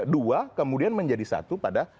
dua kemudian menjadi satu pada